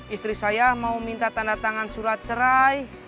istri saya mau minta tanda tangan surat cerai